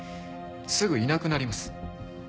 すぐいなくなります。